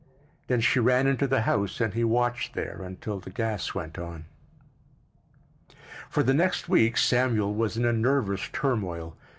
Then she ran into the house and he watched there until the gas went on. For the next week Samuel was in a nervous turmoil.